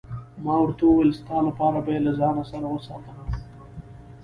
ما ورته وویل: ستا لپاره به يې له ځان سره وساتم.